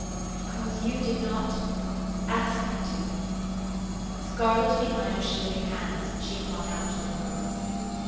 " Because you did not ask me to." Scarlet behind her shielding hands she flung out the words.